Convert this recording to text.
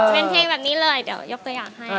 เป็นเพลงแบบนี้เลยเดี๋ยวยกตัวอย่างให้